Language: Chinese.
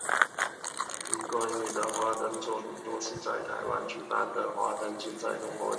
李冠毅的花灯作品多次在台湾举办的花灯竞赛中获奖。